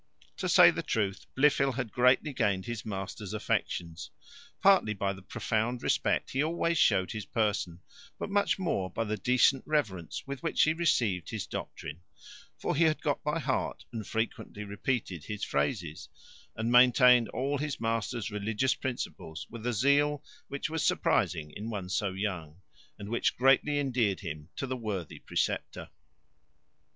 To say the truth, Blifil had greatly gained his master's affections; partly by the profound respect he always showed his person, but much more by the decent reverence with which he received his doctrine; for he had got by heart, and frequently repeated, his phrases, and maintained all his master's religious principles with a zeal which was surprizing in one so young, and which greatly endeared him to the worthy preceptor.